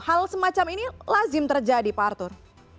hal semacam ini lazim terjadi pak arthur